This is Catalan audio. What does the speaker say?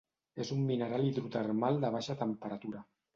És un mineral hidrotermal de baixa temperatura.